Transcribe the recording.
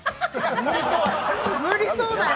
無理そうだよ。